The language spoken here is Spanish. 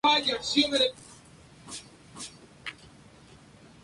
El manga de Star Force estuvo hecho por Masaya Itagaki.